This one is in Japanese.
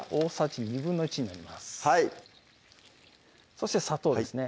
そして砂糖ですね